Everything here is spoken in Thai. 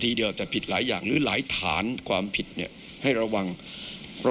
กตบอกไว้ดังนั้นสิ่งที่ไม่แน่ใจก็ไม่ควรทำ